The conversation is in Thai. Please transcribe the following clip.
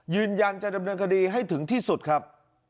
ยืนยันจะดำเนินคดีให้ถึงที่สุดครับ